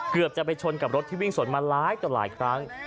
เกือบจะไปชนกับรถที่วิ่งสวนมาหลายต่อหลายครั้ง